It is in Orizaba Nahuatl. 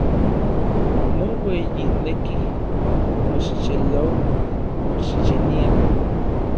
Moueyinekij, moxexelouaj, moxixiniaj.